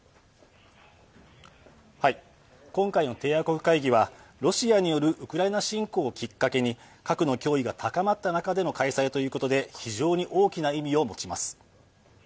今回の締約国会議はロシアによるウクライナ侵攻をきっかけに核の脅威が高まった中での開催ということで非常に大きな意味を持ちます。